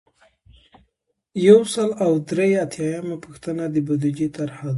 یو سل او درې اتیایمه پوښتنه د بودیجې طرحه ده.